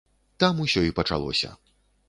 Там усё і пачалося.